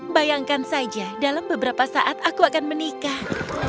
bayangkan saja dalam beberapa saat aku akan menikah